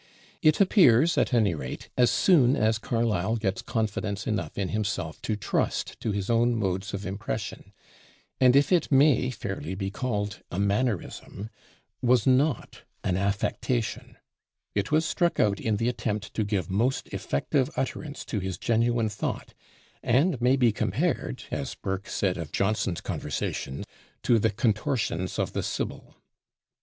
It appears at any rate as soon as Carlyle gets confidence enough in himself to trust to his own modes of impression; and if it may fairly be called a mannerism, was not an affectation. It was struck out in the attempt to give most effective utterance to his genuine thought, and may be compared, as Burke said of Johnson's conversation, to the "contortions of the Sibyl."